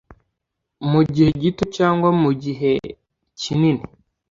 mu gihe gito cyangwa mu giheki nini